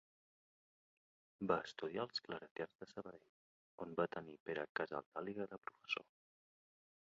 Va estudiar als Claretians de Sabadell, on va tenir Pere Casaldàliga de professor.